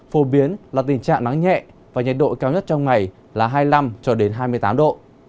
phổ biến là tình trạng nắng nhẹ và nhiệt độ cao nhất trong ngày là hai mươi năm cho đến hai mươi tám độ